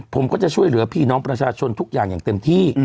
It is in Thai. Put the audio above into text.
ผมก็จะช่วยเหลือพี่น้องประชาชนทุกอย่างอย่างเต็มที่